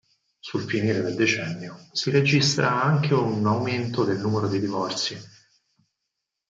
Sul finire del decennio si registra anche un aumento del numeri dei divorzi.